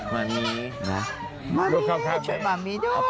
ม่ามีช่วยม่ามีด้วย